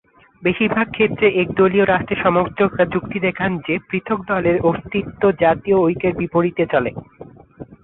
বেশিরভাগ ক্ষেত্রেই একদলীয় রাষ্ট্রের সমর্থকরা যুক্তি দেখান যে পৃথক দলের অস্তিত্ব জাতীয় ঐক্যের বিপরীতে চলে।